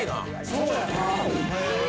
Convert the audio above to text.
そうやな。